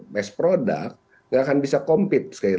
best product nggak akan bisa compete sekali lagi